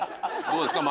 どうですか？